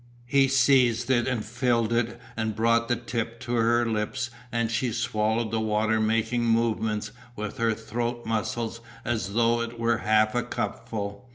He seized it and filled it and brought the tip to her lips and she swallowed the water making movements with her throat muscles as though it were half a cupful.